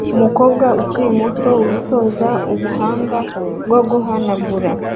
Umukobwa ukiri muto witoza ubuhanga bwo guhanagura